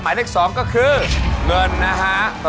หมายเลข๒ก็คือเงินนะฮะ